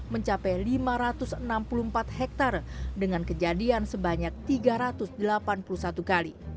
mencapai lima ratus enam puluh empat hektare dengan kejadian sebanyak tiga ratus delapan puluh satu kali